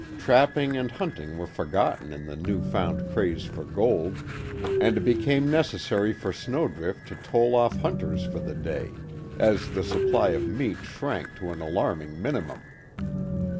Trapping and hunting were forgotten in the new found craze for gold, and it became necessary for Snowdrift to tole off hunters for the day, as the supply of meat shrank to an alarming minimum.